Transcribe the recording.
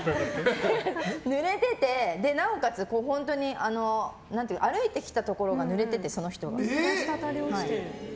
濡れてて、なおかつ歩いてきたところが濡れててその人が。